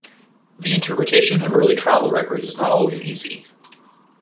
The interpretation of early travel records is not always easy.